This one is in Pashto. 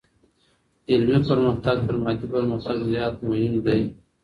علمي پرمختګ تر مادي پرمختګ زيات مهم دی.